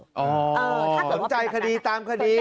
ถ้าเกิดว่าเป็นใจคดีตามคดี